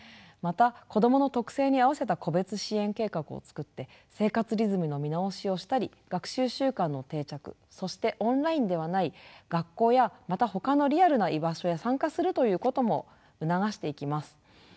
また子どもの特性に合わせた個別支援計画をつくって生活リズムの見直しをしたり学習習慣の定着そしてオンラインではない学校やまたほかのリアルな居場所へ参加するということも促していきます。